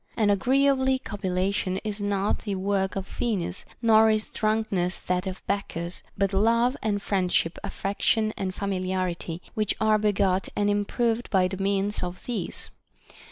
And agreeably copulation is not the work of Venus, nor is drunkenness that of Bacchus ; but love and friendship, affection and familiarity, which are begot and improved by the means of these.